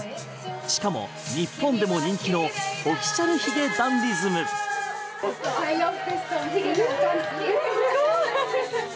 しかも日本でも人気のＯｆｆｉｃｉａｌ髭男ｄｉｓｍです。